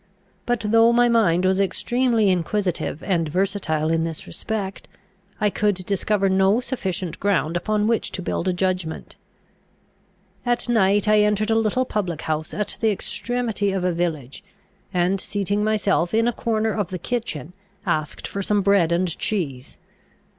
But though my mind was extremely inquisitive and versatile in this respect, I could discover no sufficient ground upon which to build a judgment. At night I entered a little public house at the extremity of a village, and, seating myself in a corner of the kitchen, asked for some bread and cheese.